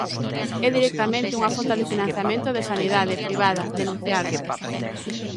É, directamente, unha fonte de financiamento da sanidade privada, denunciaron.